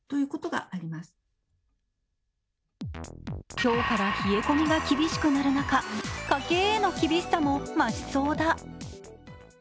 今日から冷え込みが厳しくなる中、家計への厳しさも増しそうだ。